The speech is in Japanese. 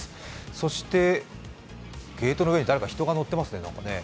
そしてゲートの上に人が乗ってますね。